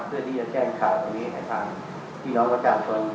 เพื่อที่จะแจ้งข่าวนี้ให้ทางพี่น้องประชาชน